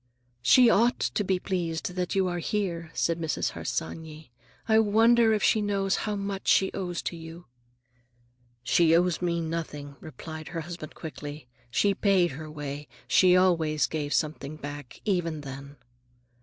"She ought to be pleased that you are here," said Mrs. Harsanyi. "I wonder if she knows how much she owes to you." "She owes me nothing," replied her husband quickly. "She paid her way. She always gave something back, even then."